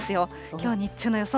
きょう日中の予想